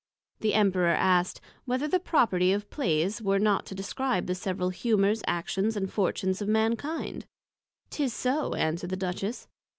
The Emperor asked, Whether the Property of Plays were not to describe the several Humours, Actions and Fortunes of Mankind? 'Tis so, answered the Duchess.